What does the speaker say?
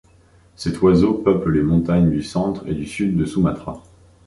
Cet oiseau peuple les montagnes du centre et du sud de Sumatra.